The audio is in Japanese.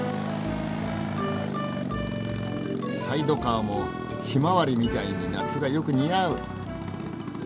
サイドカーもひまわりみたいに夏がよく似合う。